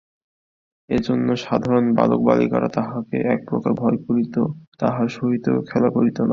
এইজন্য সাধারণ বালকবালিকারা তাহাকে একপ্রকার ভয় করিত, তাহার সহিত খেলা করিত না।